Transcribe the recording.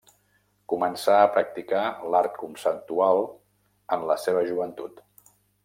Començà a practicar l'art conceptual en la seva joventut.